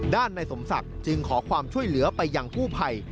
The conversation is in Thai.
ด้านในสมศักดิ์จึงขอความช่วยเหลือไปยังกู้ภัย